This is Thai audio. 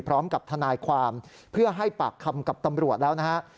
พร้อมกับทนายความเพื่อให้ปากคำกับตำรวจแล้วนะฮะ